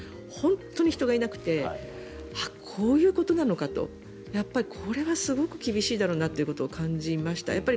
本当に人がいなくてこういうことなのかとやっぱり、これはすごく厳しいだろうなと感じました。